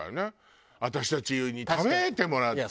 私たちに食べてもらって。